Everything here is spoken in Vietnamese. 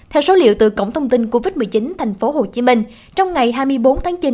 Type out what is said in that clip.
theo số liệu từ cổng thông tin covid một mươi chín thành phố hồ chí minh trong ngày hai mươi bốn tháng chín